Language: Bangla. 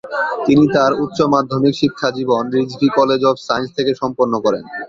তিনি তার উচ্চ মাধ্যমিক শিক্ষাজীবন "রিজভী কলেজ অব সাইন্স" থেকে সম্পন্ন করেন।